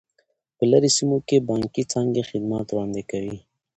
په لیرې سیمو کې بانکي څانګې خدمات وړاندې کوي.